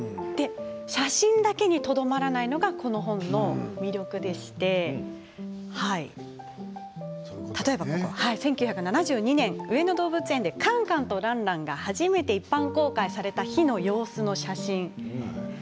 写真だけにとどまらないのがこの本の魅力でして例えば１９７２年上野動物園でカンカンとランランが初めて一般公開された日の様子の写真ですね。